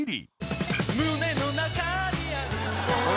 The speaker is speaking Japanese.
「胸の中にあるもの」